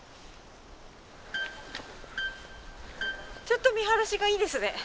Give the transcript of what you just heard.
ちょっと見晴らしがいいですね。